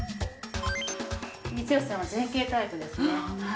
光吉さんは前傾タイプですね。